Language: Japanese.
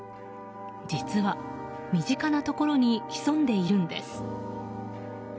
実は身近なところに潜んでいるんです。